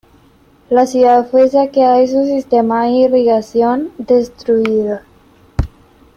La ciudad fue saqueada y su sistema de irrigación destruido.